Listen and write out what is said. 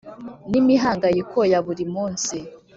N imihangayiko ya buri munsi